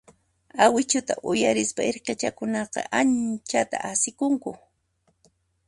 Awichuta uyarispa irqichakunaqa anchata asikunku.